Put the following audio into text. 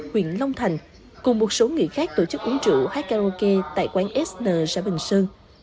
huyện long thành cùng một số người khác tổ chức uống trượu hát karaoke tại quán sn xã bình sơn